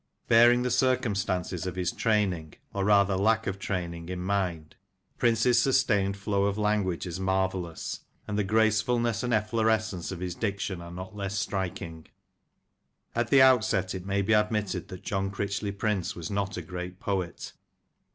Bearing the circumstanced of his training — or rather, lack of training — in mind, Prince's sustained flow of language is marvellous, and the gracefulness and efflorescence of his diction are not less striking. At the outset it may be admitted that John Critchley Prince was not a great poet.